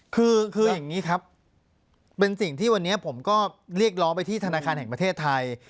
คืออย่างนี้ครับเป็นสิ่งที่วันนี้ผมก็เรียกร้องไปที่ธนาคารแห่งประเทศไทย